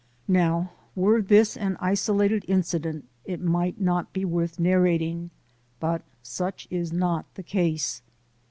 Now were this an isolated incident, it might not be worth narrating, but such is not the case.